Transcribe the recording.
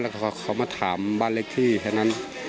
ฉันฝันว่าไฟไม่บ้านฝันมาถามบ้านเรียกพี่หน่อยแค่นั้น